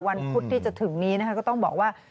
พุธที่จะถึงนี้นะคะก็ต้องบอกว่า